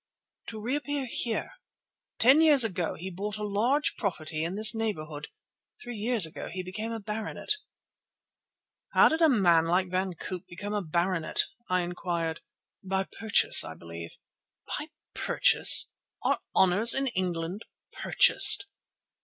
"To reappear here. Ten years ago he bought a large property in this neighbourhood. Three years ago he became a baronet." "How did a man like Van Koop become a baronet?" I inquired. "By purchase, I believe." "By purchase! Are honours in England purchased?"